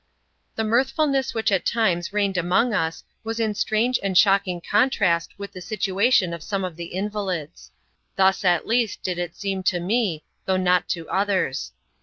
The mirthfulness which at times reigned among us was in strange and shocking contrast with the situation of some of the invalids. Thus, at least, did it seem to me, though not to others.